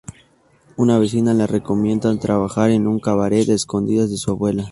Una vecina le recomienda trabajar en un cabaret a escondidas de su abuela.